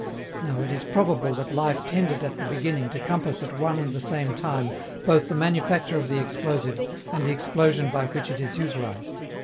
Now, it is probable that life tended at the beginning to compass at one and the same time both the manufacture of the explosive and the explosion by which it is utilized.